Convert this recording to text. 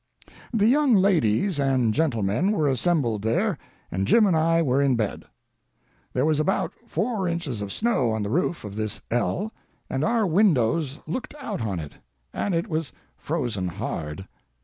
The young ladies and gentlemen were assembled there, and Jim and I were in bed. There was about four inches of snow on the roof of this ell, and our windows looked out on it; and it was frozen hard.